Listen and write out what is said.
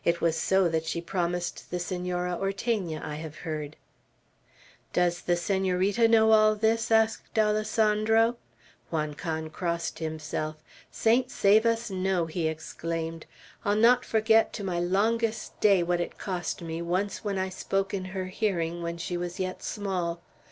It was so that she promised the Senora Ortegna, I have heard." "Does the Senorita know all this?" asked Alessandro. Juan Can crossed himself. "Saints save us, no!" he exclaimed. "I'll not forget, to my longest day, what it cost me, once I spoke in her hearing, when she was yet small.